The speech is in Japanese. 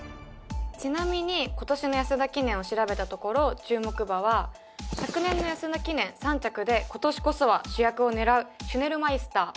ちなみに今年の安田記念を調べたところ注目馬は昨年の安田記念３着で今年こそは主役を狙うシュネルマイスター